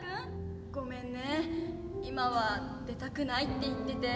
ごめんね今は出たくないって言ってて。